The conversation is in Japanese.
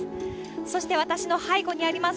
そして、私の背後にあります